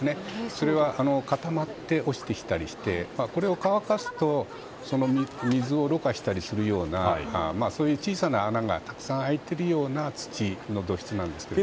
それは固まって落ちてきたりしてこれを乾かすと水をろ過したりするようなそういう小さな穴がたくさん開いているような土質なんですけれども。